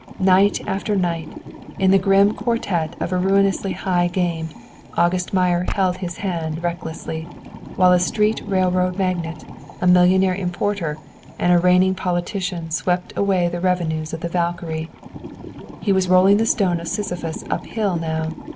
Night after night, in the grim quartette of a ruinously high game, August Meyer "held his hand" recklessly, while a street railroad magnate, a millionaire importer, and a reigning politician swept away the revenues of the "Valkyrie." He was rolling the stone of Sysiphus up hill now.